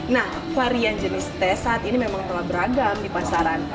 nah varian jenis teh saat ini memang telah beragam di pasaran